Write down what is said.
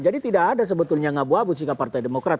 jadi tidak ada sebetulnya yang abu abu sikap partai demokrat